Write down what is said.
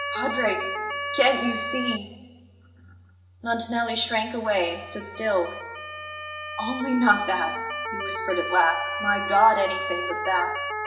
"Padre, can't you see " Montanelli shrank away, and stood still. "Only not that!" he whispered at last. "My God, anything but that!